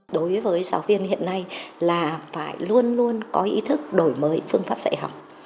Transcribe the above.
đối với giáo viên hiện nay là phải luôn luôn có ý thức đổi mới phương pháp dạy học